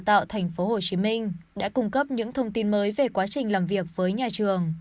tạo thành phố hồ chí minh đã cung cấp những thông tin mới về quá trình làm việc với nhà trường